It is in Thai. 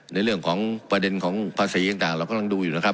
ในเรื่องของประเด็นของภาษีต่างเรากำลังดูอยู่นะครับ